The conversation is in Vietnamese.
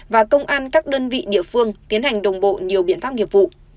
và công an các đơn vị địa phương tiến hành đồng bộ nhiều biện pháp nghiệp vụ